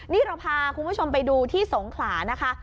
นี่เราพาคุณผู้ชมไปดูที่สงขลานะคะ